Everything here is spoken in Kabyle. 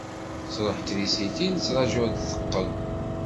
Truḥ trisiti, nettraju ad d-teqqel.